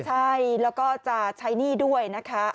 ใช่แล้วก็จะใช้หนี้ด้วยนะคะ